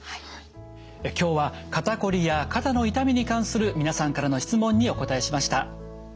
今日は肩こりや肩の痛みに関する皆さんからの質問にお答えしました。